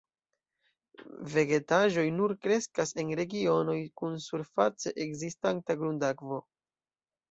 Vegetaĵoj nur kreskas en regionoj kun surface ekzistanta grundakvo.